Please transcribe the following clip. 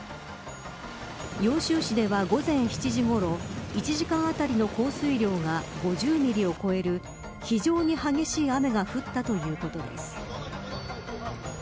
揚州市では、午前７時ごろ１時間当たりの降水量が５０ミリを超える非常に激しい雨が降ったということです。